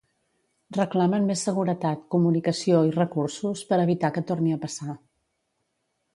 Reclamen més seguretat, comunicació i recursos, per evitar que torni a passar.